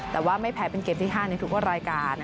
แต่ว่าไม่แพ้เป็นเกมที่๕ในทุกรายการ